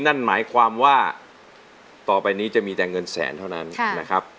นั่นหมายความว่าต่อไปนี้จะมีแต่เงินแสนเท่านั้นนะครับ